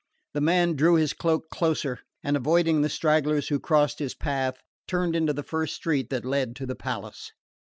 The man drew his cloak closer, and avoiding the stragglers who crossed his path, turned into the first street that led to the palace.